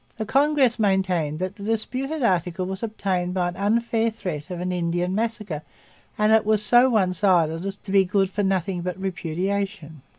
The Congress maintained that the disputed article was obtained by an unfair threat of an Indian massacre and that it was so one sided as to be good for nothing but repudiation.